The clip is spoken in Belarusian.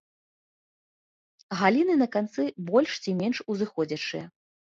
Галіны на канцы больш ці менш узыходзячыя.